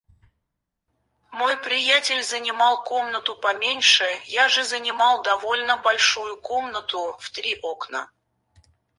Мой приятель занимал комнату поменьше, я же занимал довольно большую комнату, в три окна.